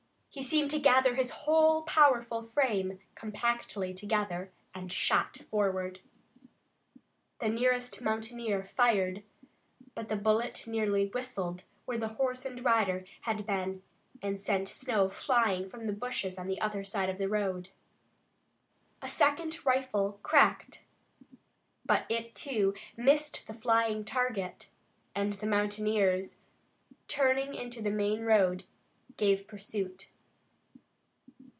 He seemed to gather his whole powerful frame compactly together, and shot forward. The nearest mountaineer fired, but the bullet merely whistled where the horse and rider had been, and sent snow flying from the bushes on the other side of the road. A second rifle cracked but it, too, missed the flying target, and the mountaineers, turning into the main road, gave pursuit.